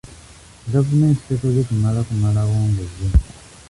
Gavumenti tekoze kimala kumalawo nguzi.